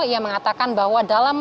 ia mengatakan bahwa dalam